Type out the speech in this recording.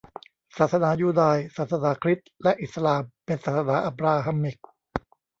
ศาสนายูดาย ศาสนาคริสต์และอิสลาม เป็น ศาสนาอับบราฮัมมิก